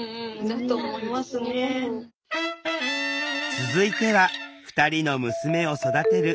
続いては２人の娘を育てる聖子さん。